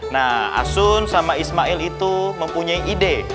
nah asun sama ismail itu mempunyai ide